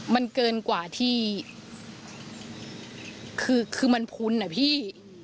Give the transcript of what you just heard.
มันเกินกว่าที่คือมันพุนนะพี่